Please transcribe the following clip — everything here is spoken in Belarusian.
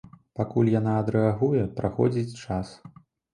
Пакуль яна адрэагуе, праходзіць час.